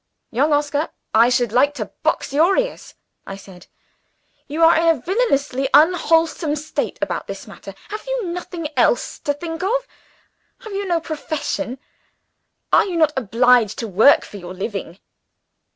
"Young Oscar, I should like to box your ears!" I said. "You are in a villainously unwholesome state about this matter. Have you nothing else to think of? Have you no profession? Are you not obliged to work for your living?"